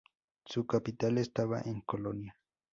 Su capital estaba en Colonia.